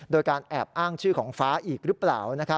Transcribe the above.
โดยการแอบอ้างชื่อของฟ้าอีกหรือเปล่า